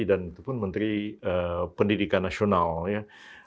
dan itu pun menteri pendidikan nasional ya